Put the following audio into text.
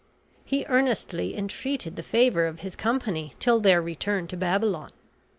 He earnestly entreated the favor of his company till their return to Babylon.